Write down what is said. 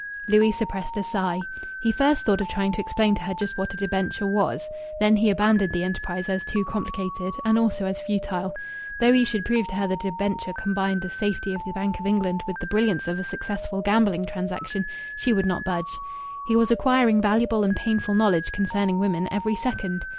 Louis suppressed a sigh. He first thought of trying to explain to her just what a debenture was. Then he abandoned the enterprise as too complicated, and also as futile. Though he should prove to her that a debenture combined the safety of the Bank of England with the brilliance of a successful gambling transaction, she would not budge. He was acquiring valuable and painful knowledge concerning women every second.